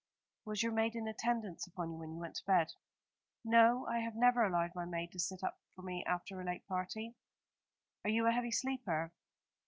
"Was your maid in attendance upon you when you went to bed?" "No, I have never allowed my maid to sit up for me after a late party." "Are you a heavy sleeper?"